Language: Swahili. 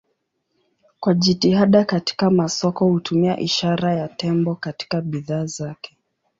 Kwa jitihada katika masoko hutumia ishara ya tembo katika bidhaa zake.